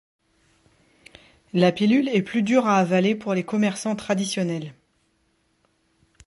La pilule est plus dure à avaler pour les commerçants traditionnels.